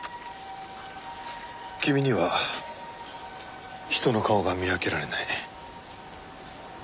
君には人の顔が見分けられない。